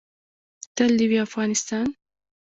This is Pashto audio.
تل دې وي افغانستان؟